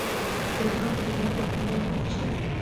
د ارزګان په دهراوود کې د فلورایټ نښې شته.